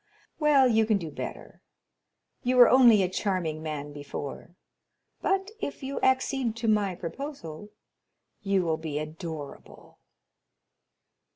"Well, you can do better. You were only a charming man before, but, if you accede to my proposal, you will be adorable."